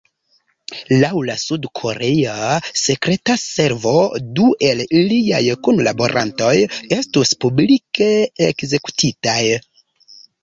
Laŭ la sud-korea sekreta servo, du el liaj kunlaborantoj estus publike ekzekutitaj.